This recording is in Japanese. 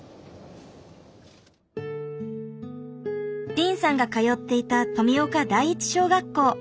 凜さんが通っていた富岡第一小学校。